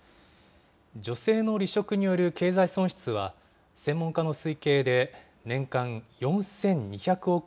女性の離職による経済損失は、専門家の推計で年間４２００億円。